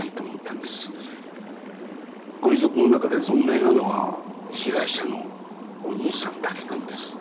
ご遺族の中で存命なのは被害者のお兄さんだけなんです。